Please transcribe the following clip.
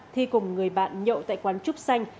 thi cùng người bạn nhậu tại quán trúc xanh